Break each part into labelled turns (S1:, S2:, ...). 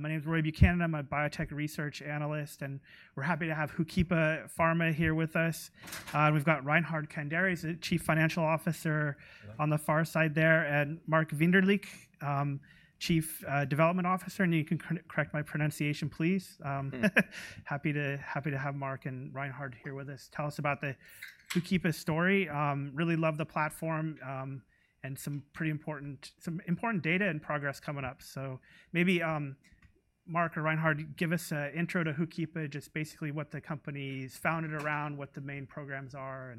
S1: My name is Roy Buchanan. I'm a biotech research analyst, and we're happy to have HOOKIPA Pharma here with us. We've got Reinhard Kandera, Chief Financial Officer on the pharma side there, and Mark Winderlich, Chief Development Officer. You can correct my pronunciation, please. Happy to have Mark and Reinhard here with us. Tell us about the HOOKIPA story. Really love the platform and some pretty important data and progress coming up. Maybe, Mark or Reinhard, give us an intro to HOOKIPA, just basically what the company's founded around, what the main programs are.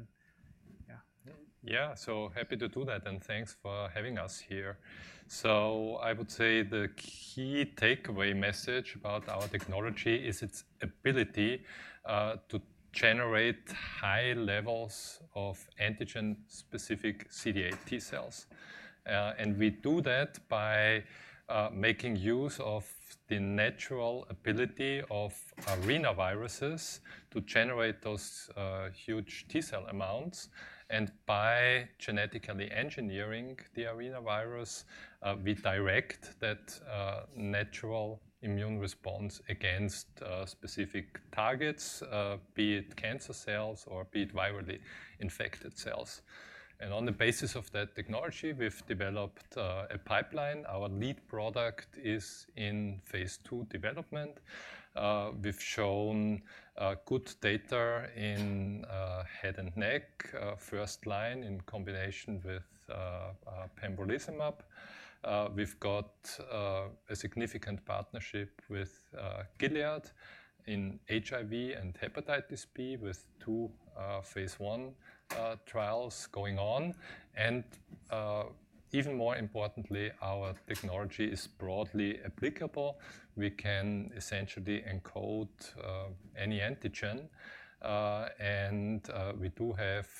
S2: Yeah, so happy to do that. And thanks for having us here. So I would say the key takeaway message about our technology is its ability to generate high levels of antigen-specific CD8 T cells. And we do that by making use of the natural ability of RNA viruses to generate those huge T cell amounts. And by genetically engineering the RNA virus, we direct that natural immune response against specific targets, be it cancer cells or be it virally infected cells. And on the basis of that technology, we've developed a pipeline. Our lead product is in phase II development. We've shown good data in head and neck, first line, in combination with pembrolizumab. We've got a significant partnership with Gilead in HIV and hepatitis B, with 2 phase I trials going on. And even more importantly, our technology is broadly applicable. We can essentially encode any antigen.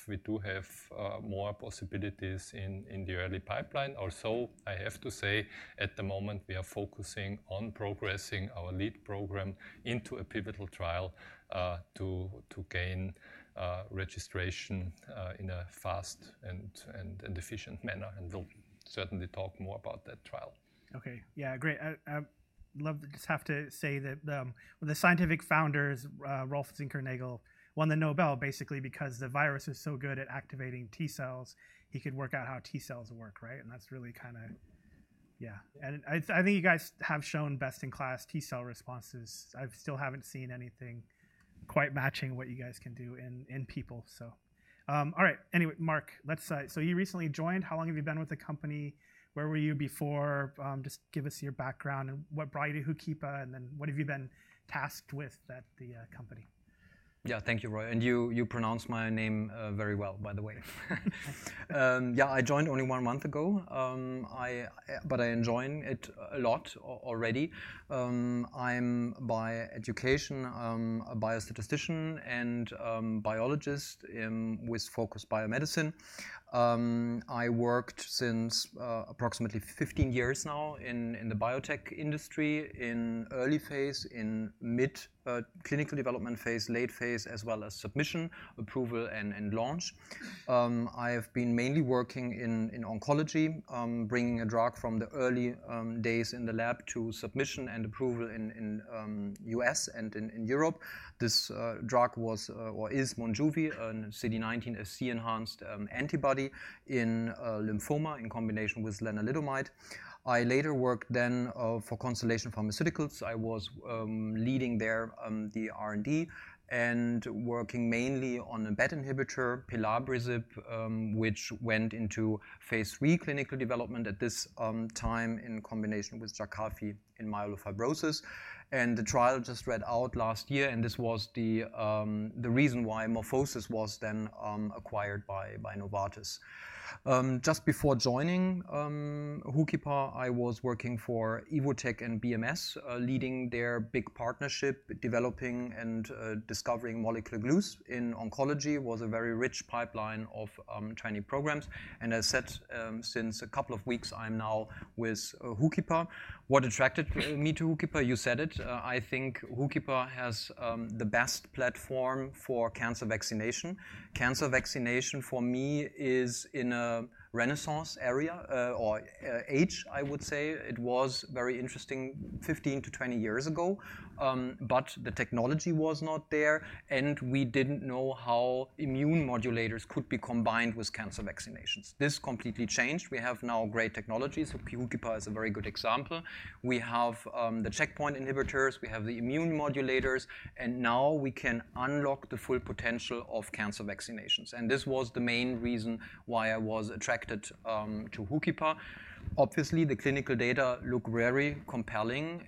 S2: We do have more possibilities in the early pipeline. Also, I have to say, at the moment, we are focusing on progressing our lead program into a pivotal trial to gain registration in a fast and efficient manner. We'll certainly talk more about that trial.
S1: OK, yeah, great. I'd love to just have to say that one of the scientific founders, Rolf Zinkernagel, won the Nobel basically because the virus was so good at activating T cells, he could work out how T cells work, right? And that's really kind of yeah. And I think you guys have shown best-in-class T cell responses. I still haven't seen anything quite matching what you guys can do in people. So all right, anyway, Mark, so you recently joined. How long have you been with the company? Where were you before? Just give us your background and what brought you to HOOKIPA. And then what have you been tasked with at the company?
S2: Yeah, thank you, Roy. And you pronounce my name very well, by the way. Yeah, I joined only one month ago, but I enjoy it a lot already. I'm, by education, a biostatistician and biologist with focus on biomedicine. I worked since approximately 15 years now in the biotech industry, in early phase, in mid-clinical development phase, late phase, as well as submission, approval, and launch. I have been mainly working in oncology, bringing a drug from the early days in the lab to submission and approval in the U.S. and in Europe. This drug was or is Monjuvi, a CD19 Fc-enhanced antibody in lymphoma in combination with lenalidomide. I later worked then for Constellation Pharmaceuticals. I was leading there the R&D and working mainly on a BET inhibitor, pelabresib, which went into phase III clinical development at this time in combination with Jakafi in myelofibrosis. The trial just read out last year. This was the reason why MorphoSys was then acquired by Novartis. Just before joining HOOKIPA, I was working for Evotec and BMS, leading their big partnership developing and discovering molecular glues in oncology. It was a very rich pipeline of tiny programs. As I said, since a couple of weeks, I'm now with HOOKIPA. What attracted me to HOOKIPA? You said it. I think HOOKIPA has the best platform for cancer vaccination. Cancer vaccination, for me, is in a renaissance area or age, I would say. It was very interesting 15-20 years ago. But the technology was not there. We didn't know how immune modulators could be combined with cancer vaccinations. This completely changed. We have now great technologies. HOOKIPA is a very good example. We have the checkpoint inhibitors. We have the immune modulators. Now we can unlock the full potential of cancer vaccinations. This was the main reason why I was attracted to HOOKIPA. Obviously, the clinical data look very compelling.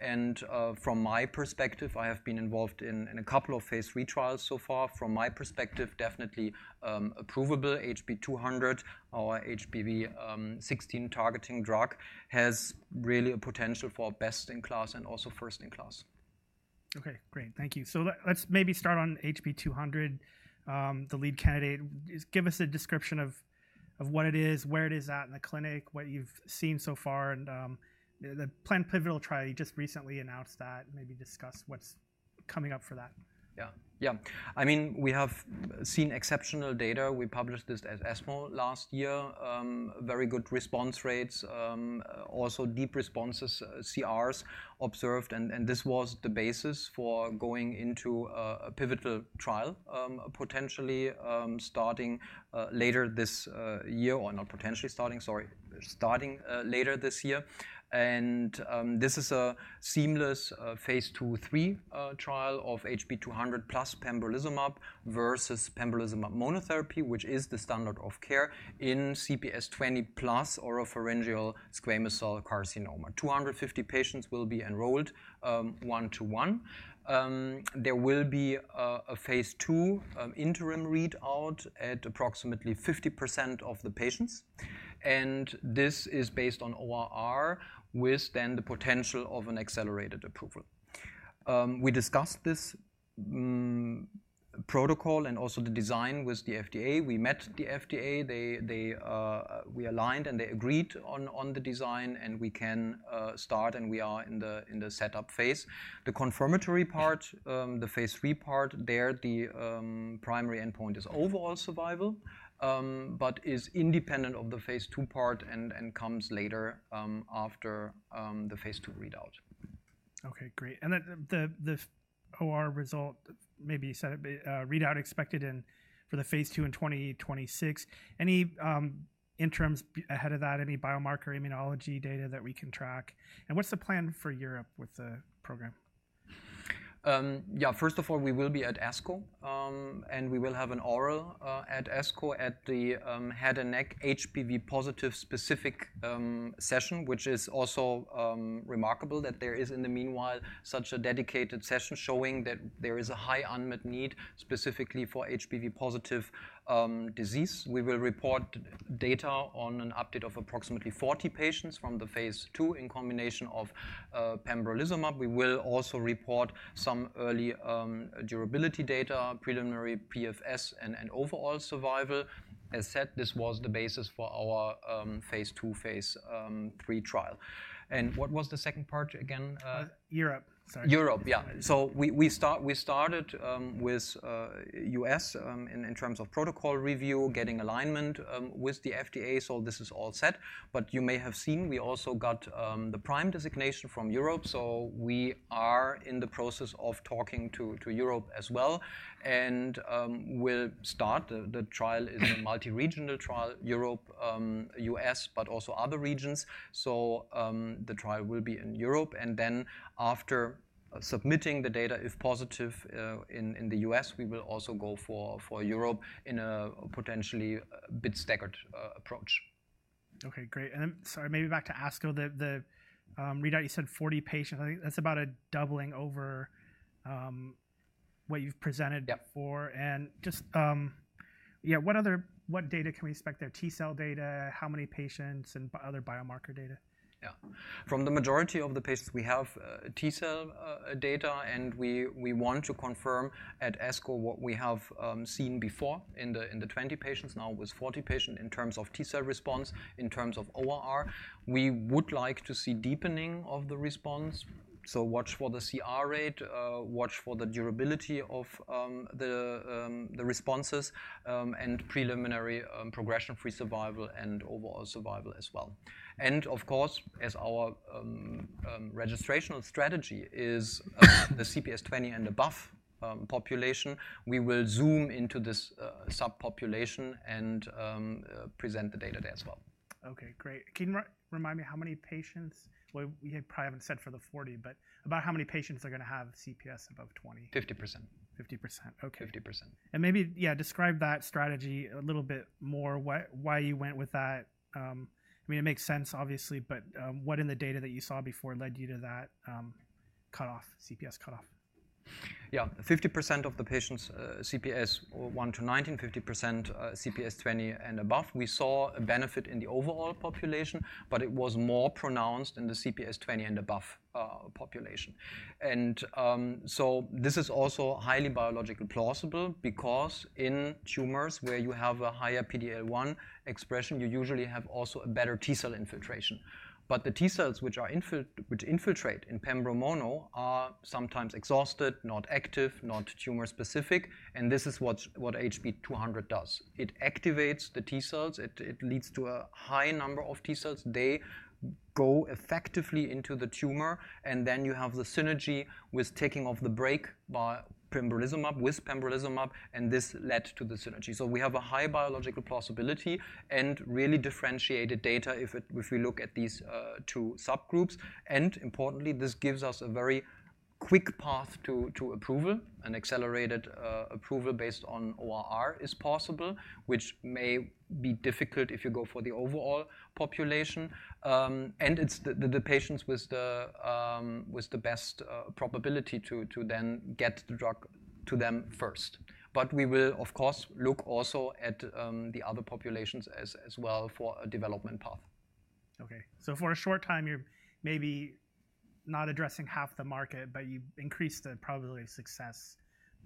S2: From my perspective, I have been involved in a couple of phase three trials so far. From my perspective, definitely approvable. HB-200, our HBV16 targeting drug, has really a potential for best-in-class and also first-in-class.
S1: OK, great. Thank you. So let's maybe start on HB-200, the lead candidate. Just give us a description of what it is, where it is at in the clinic, what you've seen so far. And the planned pivotal trial, you just recently announced that. Maybe discuss what's coming up for that.
S2: Yeah, yeah. I mean, we have seen exceptional data. We published this at ESMO last year. Very good response rates, also deep responses, CRs, observed. And this was the basis for going into a pivotal trial, potentially starting later this year or not potentially starting, sorry, starting later this year. And this is a seamless phase II/III trial of HB-200 plus pembrolizumab versus pembrolizumab monotherapy, which is the standard of care in CPS 20+ oropharyngeal squamous cell carcinoma. 250 patients will be enrolled 1:1. There will be a phase II interim readout at approximately 50% of the patients. And this is based on ORR with then the potential of an accelerated approval. We discussed this protocol and also the design with the FDA. We met the FDA. We aligned, and they agreed on the design. And we can start, and we are in the setup phase. The confirmatory part, the phase III part, there, the primary endpoint is overall survival but is independent of the phase II part and comes later after the phase II readout.
S1: OK, great. And then the ORR result, maybe you said it, readout expected for the phase 2 in 2026. Any interims ahead of that? Any biomarker immunology data that we can track? And what's the plan for Europe with the program?
S2: Yeah, first of all, we will be at ASCO. We will have an oral at ASCO at the head and neck HBV positive specific session, which is also remarkable that there is, in the meanwhile, such a dedicated session showing that there is a high unmet need specifically for HBV positive disease. We will report data on an update of approximately 40 patients from the phase II in combination of pembrolizumab. We will also report some early durability data, preliminary PFS, and overall survival. As said, this was the basis for our phase 2, phase III trial. What was the second part again?
S1: Europe, sorry.
S2: Europe, yeah. So we started with the U.S. in terms of protocol review, getting alignment with the FDA. So this is all set. But you may have seen, we also got the Prime designation from Europe. So we are in the process of talking to Europe as well and will start the trial. It's a multi-regional trial, Europe, U.S., but also other regions. So the trial will be in Europe. And then after submitting the data, if positive in the U.S., we will also go for Europe in a potentially a bit staggered approach.
S1: OK, great. And then sorry, maybe back to ASCO. The readout, you said 40 patients. I think that's about a doubling over what you've presented before. And just yeah, what data can we expect there? T cell data, how many patients, and other biomarker data?
S2: Yeah, from the majority of the patients, we have T cell data. We want to confirm at ASCO what we have seen before in the 20 patients, now with 40 patients in terms of T cell response, in terms of ORR. We would like to see deepening of the response. Watch for the CR rate. Watch for the durability of the responses and preliminary progression-free survival and overall survival as well. Of course, as our registration strategy is the CPS20 and above population, we will zoom into this subpopulation and present the data there as well.
S1: OK, great. Can you remind me how many patients? Well, you probably haven't said for the 40, but about how many patients are going to have CPS above 20?
S2: 50%.
S1: 50%, OK.
S2: 50%.
S1: And maybe, yeah, describe that strategy a little bit more, why you went with that. I mean, it makes sense, obviously, but what in the data that you saw before led you to that CPS cutoff?
S2: Yeah, 50% of the patients CPS 1-19, 50% CPS 20 and above. We saw a benefit in the overall population, but it was more pronounced in the CPS 20 and above population. And so this is also highly biologically plausible because in tumors where you have a higher PD-L1 expression, you usually have also a better T cell infiltration. But the T cells which infiltrate in pembrolizumab are sometimes exhausted, not active, not tumor specific. And this is what HB200 does. It activates the T cells. It leads to a high number of T cells. They go effectively into the tumor. And then you have the synergy with taking off the brake by pembrolizumab with pembrolizumab. And this led to the synergy. So we have a high biological plausibility and really differentiated data if we look at these two subgroups. Importantly, this gives us a very quick path to approval. An accelerated approval based on ORR is possible, which may be difficult if you go for the overall population. It's the patients with the best probability to then get the drug to them first. We will, of course, look also at the other populations as well for a development path.
S1: OK, so for a short time, you're maybe not addressing half the market, but you increased the probability of success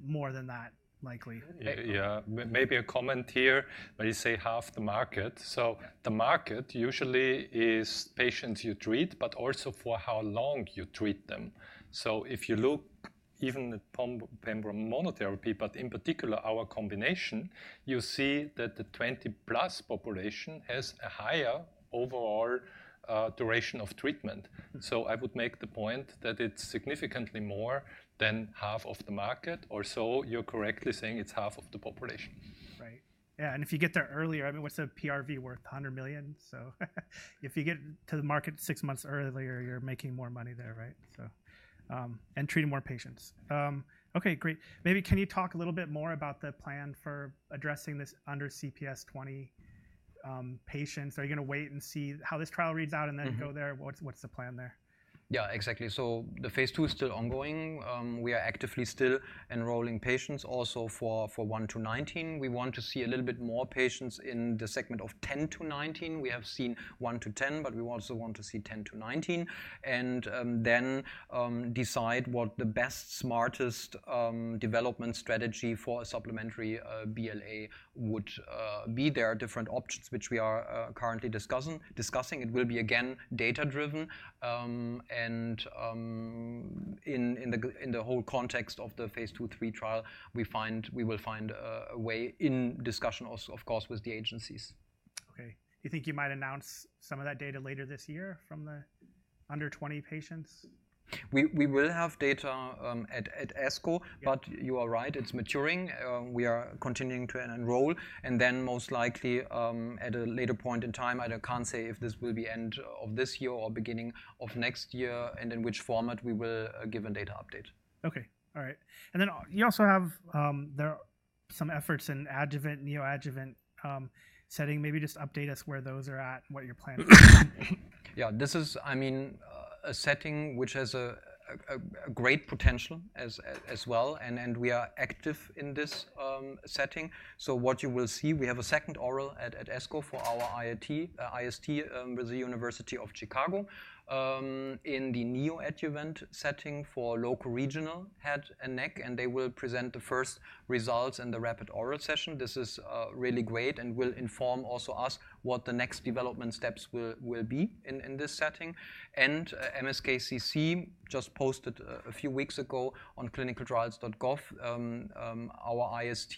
S1: more than that, likely.
S2: Yeah, maybe a comment here. But you say half the market. So the market usually is patients you treat but also for how long you treat them. So if you look even at pembrolizumab monotherapy, but in particular our combination, you see that the 20-plus population has a higher overall duration of treatment. So I would make the point that it's significantly more than half of the market. Or so you're correctly saying it's half of the population.
S1: Right, yeah. And if you get there earlier, I mean, what's the PRV worth? $100 million? So if you get to the market six months earlier, you're making more money there, right? And treating more patients. OK, great. Maybe can you talk a little bit more about the plan for addressing this under CPS 20 patients? Are you going to wait and see how this trial reads out and then go there? What's the plan there?
S2: Yeah, exactly. So the phase II is still ongoing. We are actively still enrolling patients also for 1-19. We want to see a little bit more patients in the segment of 10-19. We have seen 1-10, but we also want to see 10-19 and then decide what the best, smartest development strategy for a supplementary BLA would be. There are different options, which we are currently discussing. It will be, again, data-driven. And in the whole context of the phase II/III trial, we will find a way in discussion, of course, with the agencies.
S1: OK, do you think you might announce some of that data later this year from the under 20 patients?
S2: We will have data at ASCO. But you are right. It's maturing. We are continuing to enroll. And then most likely at a later point in time, I can't say if this will be the end of this year or beginning of next year and in which format we will give a data update.
S1: OK, all right. And then you also have some efforts in adjuvant and neoadjuvant setting. Maybe just update us where those are at and what your plan is.
S2: Yeah, this is, I mean, a setting which has a great potential as well. We are active in this setting. What you will see, we have a second oral at ASCO for our IST with the University of Chicago in the neoadjuvant setting for local regional head and neck. They will present the first results in the rapid oral session. This is really great and will inform also us what the next development steps will be in this setting. MSKCC just posted a few weeks ago on ClinicalTrials.gov our IST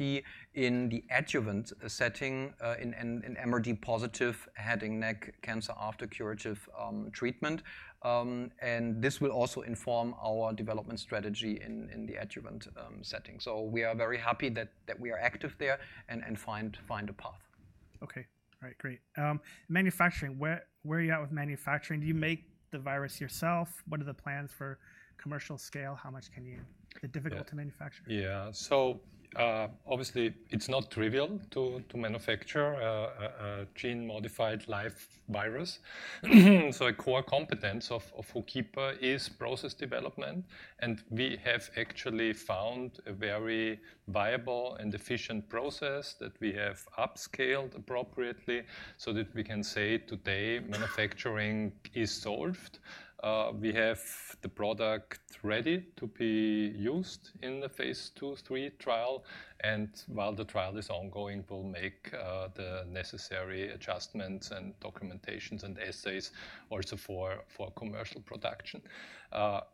S2: in the adjuvant setting in MRD positive head and neck cancer after curative treatment. This will also inform our development strategy in the adjuvant setting. We are very happy that we are active there and find a path.
S1: OK, all right, great. Manufacturing, where are you at with manufacturing? Do you make the virus yourself? What are the plans for commercial scale? Is it difficult to manufacture?
S2: Yeah, so obviously, it's not trivial to manufacture a gene-modified live virus. So a core competence of HOOKIPA is process development. And we have actually found a very viable and efficient process that we have upscaled appropriately so that we can say today, manufacturing is solved. We have the product ready to be used in the phase II/III trial. And while the trial is ongoing, we'll make the necessary adjustments and documentation and assays also for commercial production.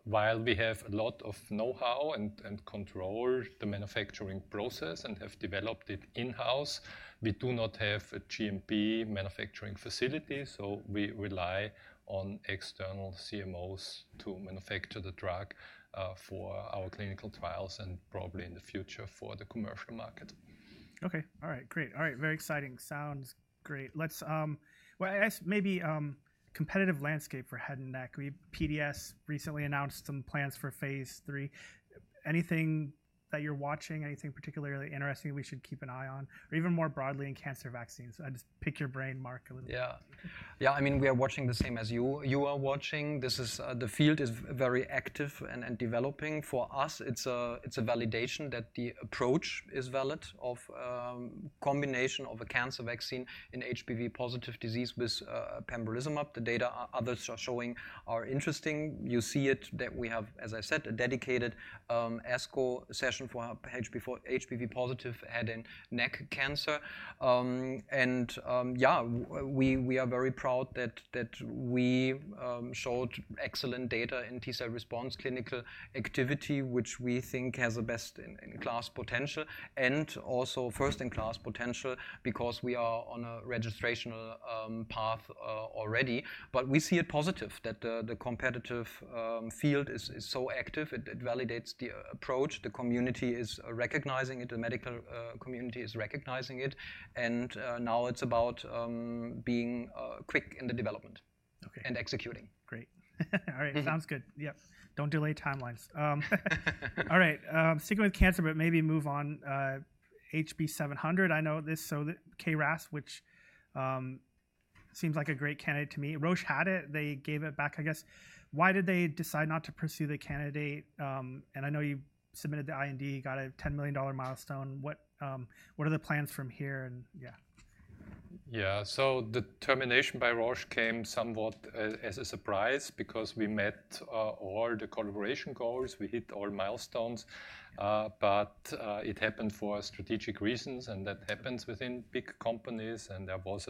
S2: While we have a lot of know-how and control the manufacturing process and have developed it in-house, we do not have a GMP manufacturing facility. So we rely on external CMOs to manufacture the drug for our clinical trials and probably in the future for the commercial market.
S1: OK, all right, great. All right, very exciting. Sounds great. Well, I guess maybe competitive landscape for head and neck. PDS recently announced some plans for phase III. Anything that you're watching, anything particularly interesting that we should keep an eye on? Or even more broadly in cancer vaccines? I just pick your brain, Mark, a little bit.
S2: Yeah, yeah, I mean, we are watching the same as you. You are watching. The field is very active and developing. For us, it's a validation that the approach is valid of a combination of a cancer vaccine in HBV positive disease with pembrolizumab. The data others are showing are interesting. You see it that we have, as I said, a dedicated ASCO session for HBV positive head and neck cancer. And yeah, we are very proud that we showed excellent data in T cell response clinical activity, which we think has the best-in-class potential and also first-in-class potential because we are on a registrational path already. But we see it positive that the competitive field is so active. It validates the approach. The community is recognizing it. The medical community is recognizing it. And now it's about being quick in the development and executing.
S1: Great, all right. Sounds good, yeah. Don't delay timelines. All right, sticking with cancer, but maybe move on. HB-700, I know this. So KRAS, which seems like a great candidate to me. Roche had it. They gave it back, I guess. Why did they decide not to pursue the candidate? And I know you submitted the IND. You got a $10 million milestone. What are the plans from here? And yeah.
S2: Yeah, so the termination by Roche came somewhat as a surprise because we met all the collaboration goals. We hit all milestones. But it happened for strategic reasons. And that happens within big companies. And there was,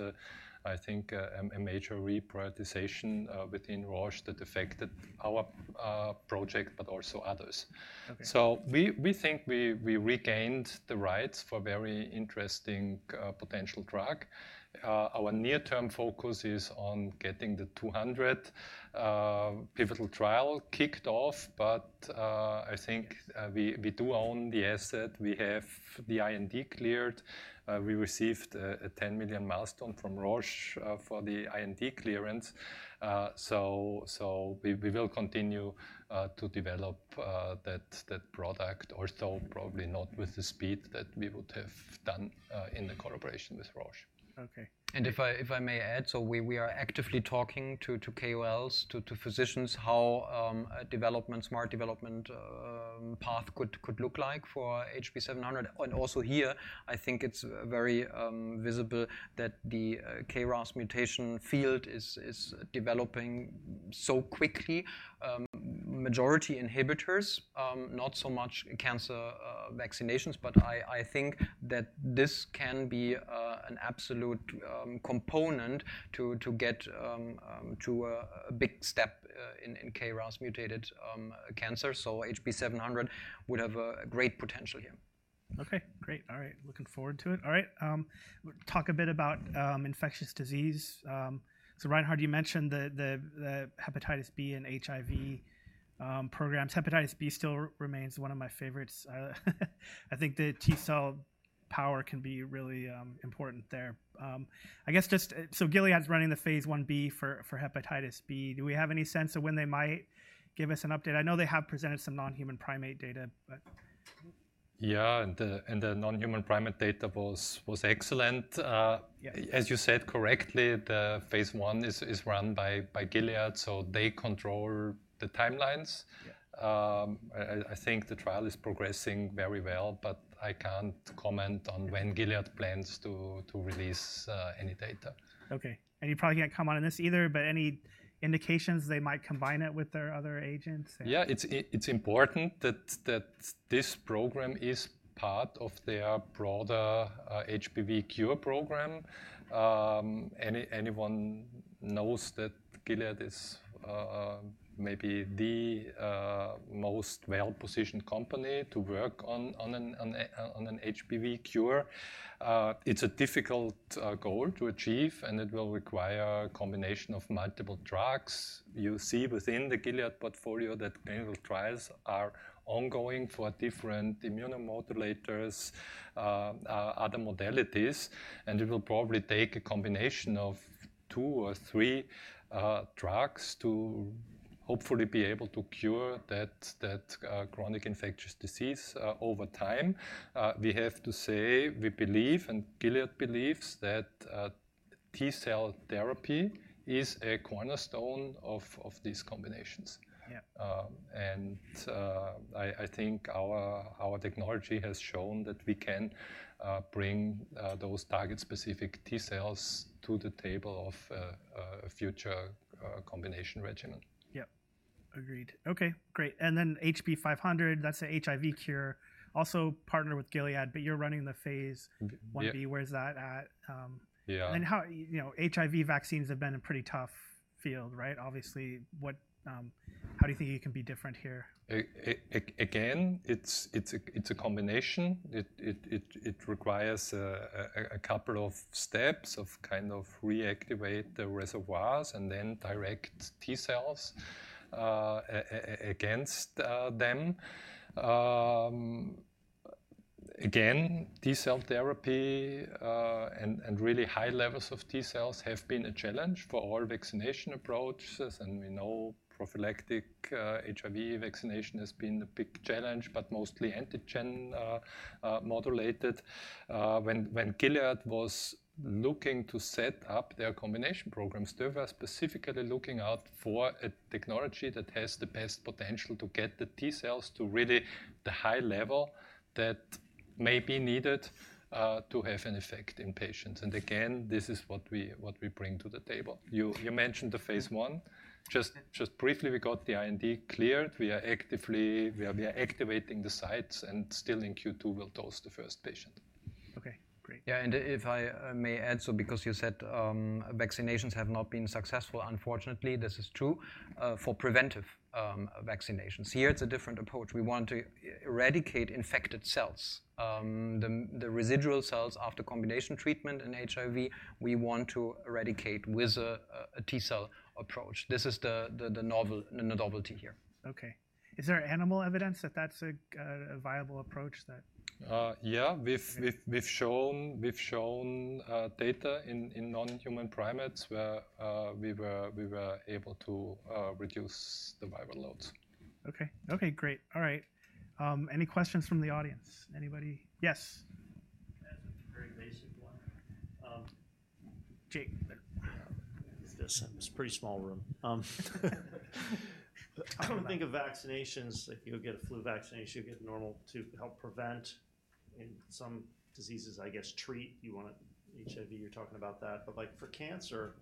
S2: I think, a major reprioritization within Roche that affected our project but also others. So we think we regained the rights for a very interesting potential drug. Our near-term focus is on getting the 200 pivotal trial kicked off. But I think we do own the asset. We have the IND cleared. We received a $10 million milestone from Roche for the IND clearance. So we will continue to develop that product, although probably not with the speed that we would have done in the collaboration with Roche.
S1: OK.
S2: If I may add, so we are actively talking to KOLs, to physicians, how a smart development path could look like for HB-700. Also here, I think it's very visible that the KRAS mutation field is developing so quickly, majority inhibitors, not so much cancer vaccinations. But I think that this can be an absolute component to get to a big step in KRAS mutated cancer. So HB-700 would have a great potential here.
S1: OK, great. All right, looking forward to it. All right, talk a bit about infectious disease. So Reinhard, you mentioned the hepatitis B and HIV programs. Hepatitis B still remains one of my favorites. I think the T cell power can be really important there. I guess just so Gilead's running the phase Ib for hepatitis B. Do we have any sense of when they might give us an update? I know they have presented some non-human primate data, but.
S2: Yeah, and the non-human primate data was excellent. As you said correctly, the phase I is run by Gilead. So they control the timelines. I think the trial is progressing very well. But I can't comment on when Gilead plans to release any data.
S1: OK, and you probably can't comment on this either. But any indications they might combine it with their other agents?
S2: Yeah, it's important that this program is part of their broader HBV cure program. Anyone knows that Gilead is maybe the most well-positioned company to work on an HBV cure. It's a difficult goal to achieve. It will require a combination of multiple drugs. You see within the Gilead portfolio that clinical trials are ongoing for different immunomodulators, other modalities. It will probably take a combination of two or three drugs to hopefully be able to cure that chronic infectious disease over time. We have to say we believe, and Gilead believes, that T cell therapy is a cornerstone of these combinations. I think our technology has shown that we can bring those target-specific T cells to the table of a future combination regimen.
S1: Yeah, agreed. OK, great. And then HB-500, that's an HIV cure, also partnered with Gilead. But you're running the phase Ib. Where is that at?
S2: Yeah.
S1: HIV vaccines have been a pretty tough field, right? Obviously, how do you think you can be different here?
S2: Again, it's a combination. It requires a couple of steps of kind of reactivating the reservoirs and then directing T cells against them. Again, T cell therapy and really high levels of T cells have been a challenge for all vaccination approaches. And we know prophylactic HIV vaccination has been a big challenge, but mostly antigen-modulated. When Gilead was looking to set up their combination programs, they were specifically looking out for a technology that has the best potential to get the T cells to really the high level that may be needed to have an effect in patients. And again, this is what we bring to the table. You mentioned the phase I. Just briefly, we got the IND cleared. We are actively activating the sites. And still in Q2, we'll dose the first patient.
S1: OK, great.
S2: Yeah, and if I may add, so because you said vaccinations have not been successful, unfortunately, this is true for preventive vaccinations. Here, it's a different approach. We want to eradicate infected cells, the residual cells after combination treatment in HIV. We want to eradicate with a T cell approach. This is the novelty here.
S1: OK, is there animal evidence that that's a viable approach?
S2: Yeah, we've shown data in non-human primates where we were able to reduce the viral loads.
S1: OK, OK, great. All right, any questions from the audience? Anybody? Yes? Jake.
S3: It's a pretty small room. I would think of vaccinations, like you'll get a flu vaccination. You'll get a normal to help prevent. In some diseases, I guess, treat. You want it HIV, you're talking about that. But for cancer,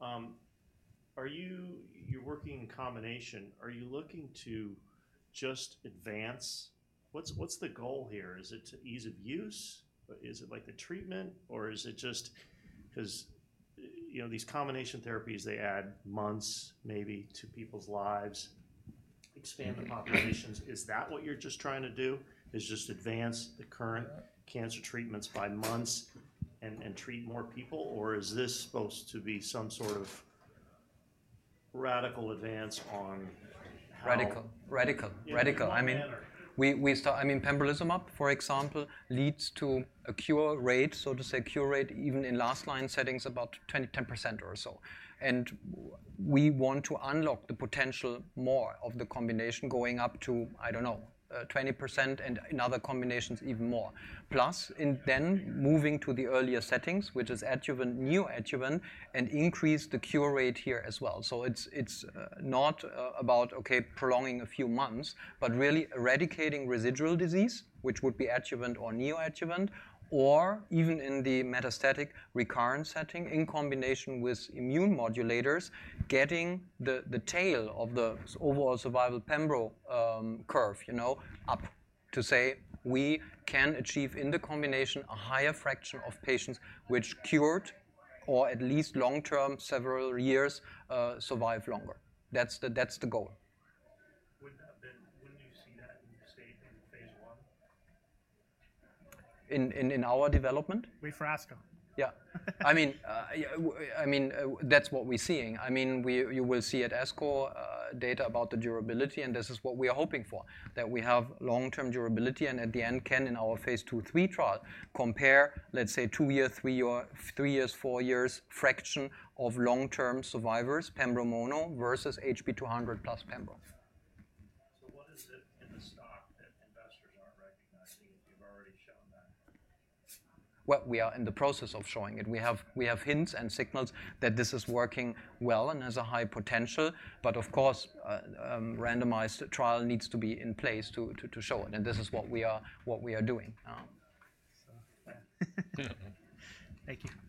S3: you're working in combination. Are you looking to just advance? What's the goal here? Is it ease of use? Is it like the treatment? Or is it just because these combination therapies, they add months maybe to people's lives, expand the populations? Is that what you're just trying to do, is just advance the current cancer treatments by months and treat more people? Or is this supposed to be some sort of radical advance on how?
S2: Radical, radical, radical. I mean, I mean, pembrolizumab, for example, leads to a cure rate, so to say, a cure rate even in last-line settings, about 10% or so. And we want to unlock the potential more of the combination, going up to, I don't know, 20% and in other combinations, even more. Plus, then moving to the earlier settings, which is adjuvant, neoadjuvant, and increase the cure rate here as well. So it's not about, OK, prolonging a few months, but really eradicating residual disease, which would be adjuvant or neoadjuvant, or even in the metastatic recurrence setting, in combination with immune modulators, getting the tail of the overall survival pembro curve up to say we can achieve in the combination a higher fraction of patients which cured or at least long-term, several years, survive longer. That's the goal.
S3: Wouldn't you see that in phase I?
S2: In our development?
S3: With ASCO
S2: Yeah, I mean, that's what we're seeing. I mean, you will see at ASCO data about the durability. This is what we are hoping for, that we have long-term durability. At the end, can, in our phase II/III trial, compare, let's say, 2 years, 3 years, 4 years fraction of long-term survivors, pembro mono, versus HB-200 plus pembro?
S3: What is it in the stock that investors aren't recognizing if you've already shown that?
S2: Well, we are in the process of showing it. We have hints and signals that this is working well and has a high potential. But of course, a randomized trial needs to be in place to show it. This is what we are doing.
S3: Thank you.